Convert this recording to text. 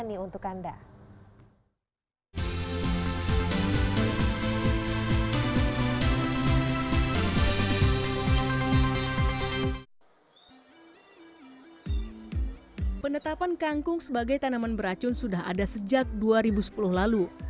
nih untuk anda hai penetapan kangkung sebagai tanaman beracun sudah ada sejak dua ribu sepuluh lalu